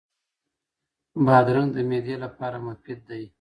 بادرنګ د معدې لپاره مفید دی.